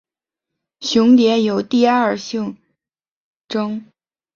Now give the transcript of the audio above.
雄蝶有第二性征。